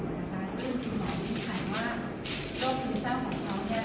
ซึ่งหมอมีค่ายว่าโรคซื้นเศร้าของเขา